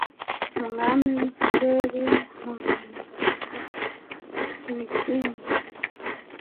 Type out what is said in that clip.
Umwami w' ikirere mubicu mfite ibikingi